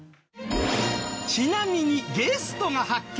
ちなみにゲストが発見！